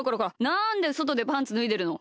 なんでそとでパンツぬいでるの！